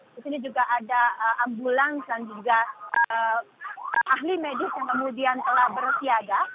di sini juga ada ambulans dan juga ahli medis yang kemudian telah bersiaga